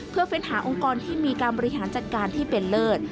เพื่อเฟ้นหาองค์กรที่มีการบริหารจัดการที่เป็นเลิศ